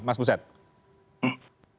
mas budi setiarso